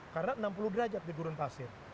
karena enam puluh derajat di gurun pasir